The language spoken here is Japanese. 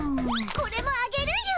これもあげるよ。